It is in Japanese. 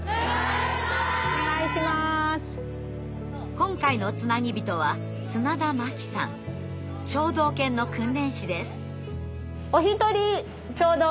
今回のつなぎびとは聴導犬の訓練士です。